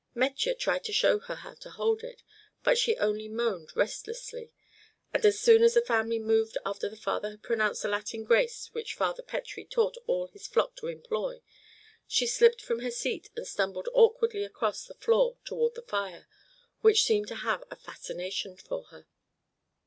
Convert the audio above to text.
Metje tried to show her how to hold it, but she only moaned restlessly, and, as soon as the family moved after the father had pronounced the Latin grace which Father Pettrie taught all his flock to employ, she slipped from her seat and stumbled awkwardly across the floor toward the fire, which seemed to have a fascination for her.